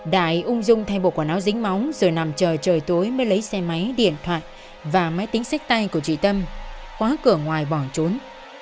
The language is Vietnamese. đài ung dung thay bộ quả náo dính móng rồi nằm chờ trời tối mới lấy xe máy điện thoại và máy tính xách tay của chị tâm khóa cửa ngoài bỏ trốn